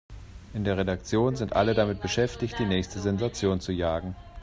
In der Redaktion sind alle damit beschäftigt, die nächste Sensation zu jagen.